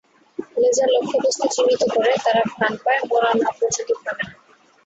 Laser লক্ষ্যবস্তু চিহ্নিত করে, তারা ঘ্রাণ পায়, মরা না পর্যন্ত থামে না।